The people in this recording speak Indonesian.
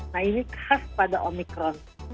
nah ini khas pada omikron